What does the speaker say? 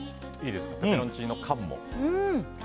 ペペロンチーノ感も？